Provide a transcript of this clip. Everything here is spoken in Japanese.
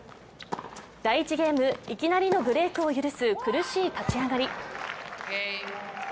第１ゲーム、いきなりのブレークを許す苦しい立ち上がり。